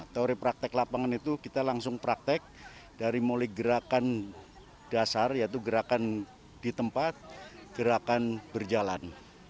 teori praktek lapangan itu kita langsung praktek dari mulai gerakan dasar yaitu gerakan di tempat gerakan berjalan